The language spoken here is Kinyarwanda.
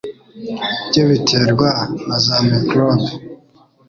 byo biterwa na za microbes